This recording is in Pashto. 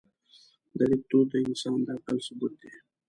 د لیک دود د انسان د عقل ثبوت دی.